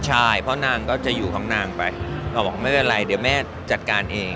ใช่เพราะนางก็จะอยู่ของนางไปเราบอกไม่เป็นไรเดี๋ยวแม่จัดการเอง